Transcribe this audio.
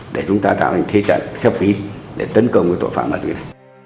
để chúng ta tạo thành thế trận khép kín để tấn công với tội phạm ma túy này